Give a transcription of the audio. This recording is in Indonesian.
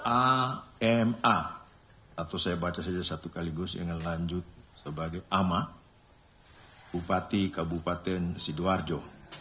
ama atau saya baca saja satu kaligus ingin lanjut sebagai ama bupati kabupaten sidoarjo